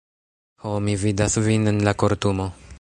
Ho, mi vidas vin en la kortumo.